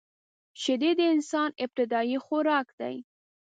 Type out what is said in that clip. شیدې د انسان ابتدايي خوراک دی